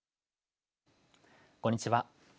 こんにちは。